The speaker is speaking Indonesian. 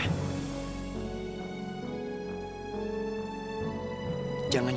tante jangan jauh